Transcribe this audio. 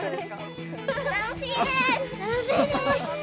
楽しいです。